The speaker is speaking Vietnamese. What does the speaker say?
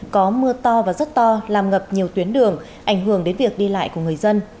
có mưa to và rất to làm ngập nhiều tuyến đường ảnh hưởng đến việc đi lại của người dân